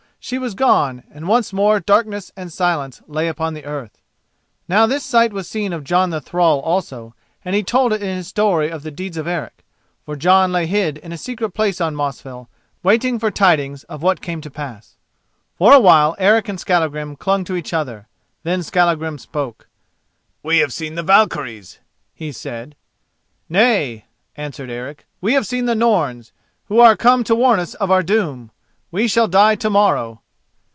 she was gone, and once more darkness and silence lay upon the earth. Now this sight was seen of Jon the thrall also, and he told it in his story of the deeds of Eric. For Jon lay hid in a secret place on Mosfell, waiting for tidings of what came to pass. For a while Eric and Skallagrim clung to each other. Then Skallagrim spoke. "We have seen the Valkyries," he said. "Nay," answered Eric, "we have seen the Norns—who are come to warn us of our doom! We shall die to morrow."